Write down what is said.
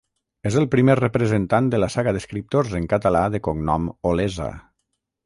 És el primer representant de la saga d’escriptors en català de cognom Olesa.